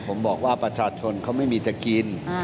ผมบอกว่าประชาชนเขาไม่มีจะกิน